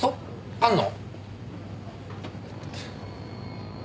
あんの？